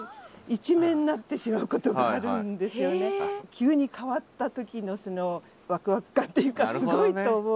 急に変わった時のそのワクワク感っていうかすごいと思う。